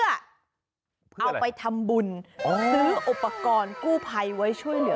เอาไปทำบุญซื้ออุปกรณ์กู้ภัยไว้ช่วยเหลือ